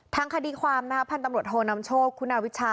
ทางคดีความพันธุ์อำนับโชกฮ